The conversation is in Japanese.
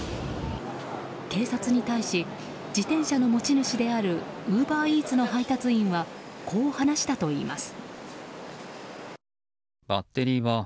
警察に対し自転車の持ち主であるウーバーイーツの配達員はこう話したといいます。